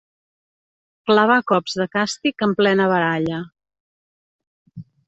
Clavar cops de càstig en plena baralla.